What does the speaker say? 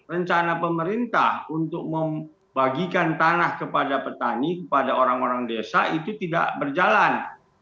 rencana pemerintah untuk membagikan tanah kepada petani kepada orang orang desa itu tidak berjalan